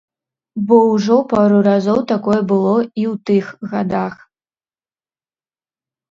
Бо ўжо пару разоў такое было і ў тых гадах.